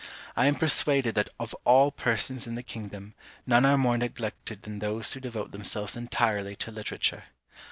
I am persuaded that of all persons in the kingdom, none are more neglected than those who devote themselves entirely to literature.